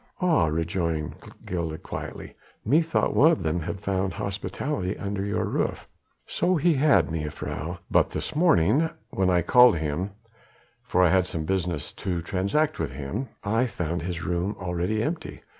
"Ah!" rejoined Gilda quietly, "methought one of them had found hospitality under your roof." "So he had, mejuffrouw. But this morning when I called him for I had some business to transact with him I found his room already empty.